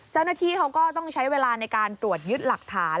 เจ้าหน้าที่เขาก็ต้องใช้เวลาในการตรวจยึดหลักฐาน